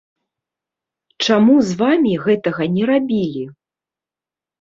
Чаму з вамі гэтага не рабілі?